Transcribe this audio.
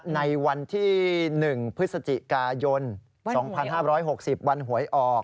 ในวันที่๑พฤศจิกายน๒๕๖๐วันหวยออก